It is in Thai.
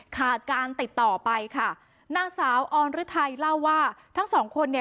ขาดการติดต่อไปค่ะนางสาวออนฤทัยเล่าว่าทั้งสองคนเนี่ย